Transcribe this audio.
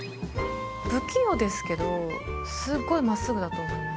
不器用ですけどすごいまっすぐだと思います